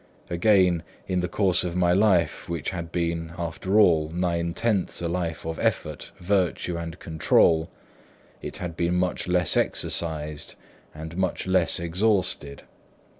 Again, in the course of my life, which had been, after all, nine tenths a life of effort, virtue and control, it had been much less exercised and much less exhausted.